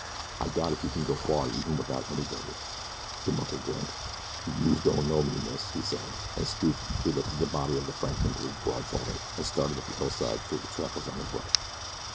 "I doubt if you can go far even without any burden." The mucker grinned. "Youse don't know me, miss," he said, and stooping he lifted the body of the Frenchman to his broad shoulder, and started up the hillside through the trackless underbrush.